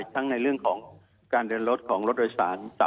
ทั้งในเรื่องของการเดินรถของรถโดยสาร